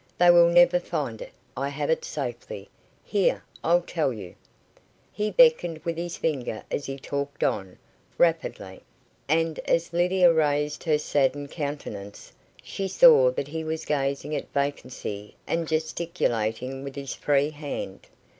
They will never find it. I have it safely. Here. I'll tell you." He beckoned with his finger as he talked on, rapidly; and as Lydia raised her saddened countenance, she saw that he was gazing at vacancy and gesticulating with his free hand.